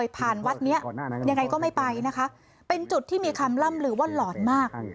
เป็นจุดที่มีคำล่ำหรือว่าหลอดมาก